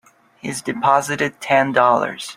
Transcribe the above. He's deposited Ten Dollars.